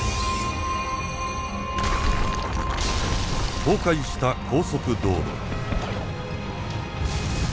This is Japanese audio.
倒壊した高速道路。